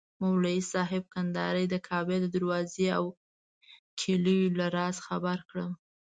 مولوي صاحب کندهاري د کعبې د دروازې او کیلیو له رازه خبر کړم.